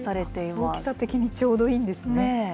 大きさ的にちょうどいいんですね。